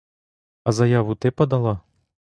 А заяву ти подала?